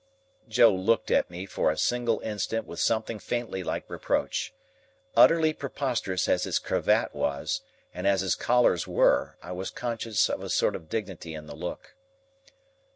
Joe looked at me for a single instant with something faintly like reproach. Utterly preposterous as his cravat was, and as his collars were, I was conscious of a sort of dignity in the look.